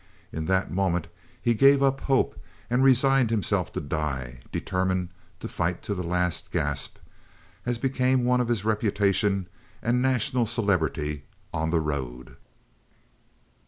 In that moment he gave up hope and, resigning himself to die, determined to fight to the last gasp, as became one of his reputation and national celebrity on "the road."